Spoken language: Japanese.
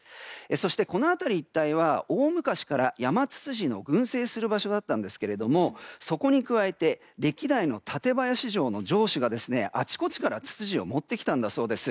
そしてこの辺り一帯は大昔からヤマツツジの群生する場所でしたがそこに加えて、歴代の館林城の城主があちこちからツツジを持ってきたそうです。